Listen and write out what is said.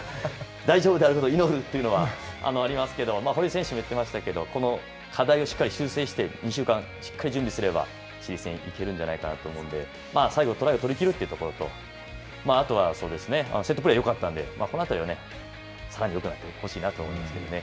大丈夫だと祈るというのはありますけど、堀江選手も言ってましたけれども、この課題をしっかり修正して２週間しっかり準備すれば、チリ戦、いけるんじゃないかと思うので、最後トライを取り切るというところと、あとはそうですね、セットプレーよかったんで、このあたりはさらによくなっていってほしいなと思いますね。